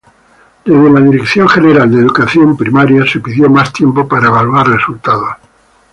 Desde la dirección general de educación primaria se pidió más tiempo para evaluar resultados.